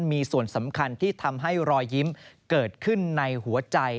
มีส่วนสำคัญที่ทำให้รอยยิ้มเกิดขึ้นในหัวใจ